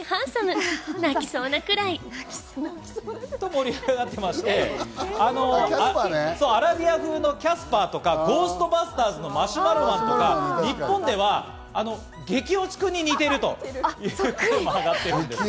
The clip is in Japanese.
盛り上がっていましてアラビア風のキャスパーとか『ゴーストバスターズ』のマシュマロマンとか日本ではあの激落ちくんに似ているというふうに言われています。